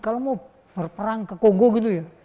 kalau mau berperang ke kongo gitu ya